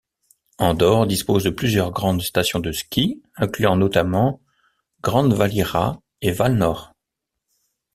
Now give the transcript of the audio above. Andorre dispose de plusieurs grandes stations de ski incluant notamment Grandvalira et Vallnord.